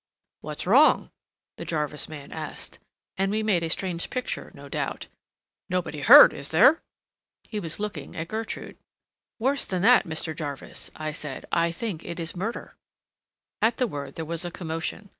"What's wrong?" the Jarvis man asked—and we made a strange picture, no doubt. "Nobody hurt, is there?" He was looking at Gertrude. "Worse than that, Mr. Jarvis," I said. "I think it is murder." At the word there was a commotion.